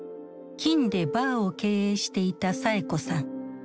金武でバーを経営していたサエ子さん。